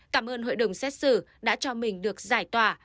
cảm ơn hội đồng xét xử đã cho mình được giải tỏa